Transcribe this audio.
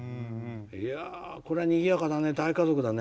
いやこれはにぎやかだね大家族だね。